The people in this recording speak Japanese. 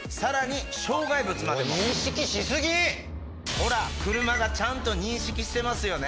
ほら車がちゃんと認識してますよね